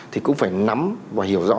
thì cũng phải nắm và hiểu rõ